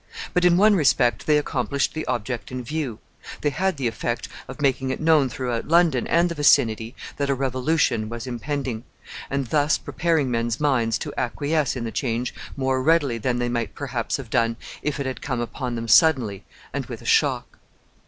But in one respect they accomplished the object in view: they had the effect of making it known throughout London and the vicinity that a revolution was impending, and thus preparing men's minds to acquiesce in the change more readily than they might perhaps have done if it had come upon them suddenly and with a shock.